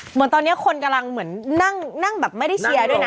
เหมือนตอนนี้คนกำลังเหมือนนั่งแบบไม่ได้เชียร์ด้วยนะ